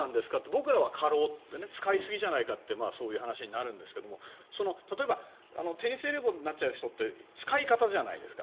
僕らは過労使いすぎじゃないかという話になるんですが例えばテニスエルボーになっちゃう人って使い方じゃないですか。